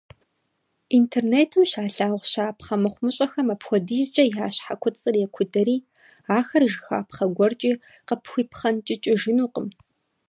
Интернетым щалъагъу щапхъэ мыхъумыщӏэхэм апхуэдизкӀэ я щхьэ куцӀыр екудэри, ахэр жыхапхъэ гуэркӀи къыпхуипхъэнкӀыкӀыжынукъым.